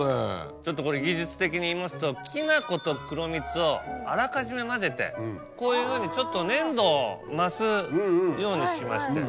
ちょっとこれ技術的にいいますときな粉と黒蜜をあらかじめ混ぜてこういうふうにちょっと粘度を増すようにしまして。